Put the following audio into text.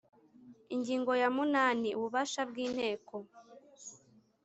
Ingingo ya munani Ububasha bw inteko